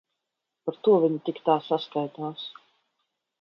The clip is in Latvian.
Par to viņa tik tā saskaitās.